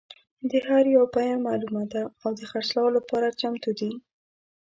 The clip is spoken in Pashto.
د هر یو بیه معلومه ده او د خرڅلاو لپاره چمتو دي.